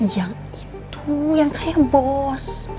yang itu yang kayak bos